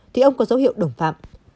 thì ông có dấu hiệu đồng phạm